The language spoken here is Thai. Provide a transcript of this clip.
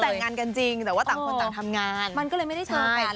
แต่งงานกันจริงแต่ว่าต่างคนต่างทำงานมันก็เลยไม่ได้เจอกัน